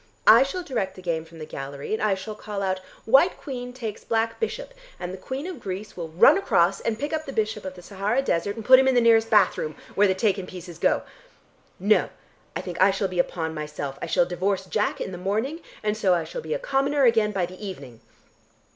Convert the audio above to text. I shall direct the game from the gallery, and I shall call out 'White Queen takes Black Bishop,' and then the Queen of Greece will run across and pick up the Bishop of the Sahara Desert, and put him in the nearest bathroom, where the taken pieces go. No, I think I shall be a pawn myself. I shall divorce Jack in the morning, and so I shall be a commoner again by the evening.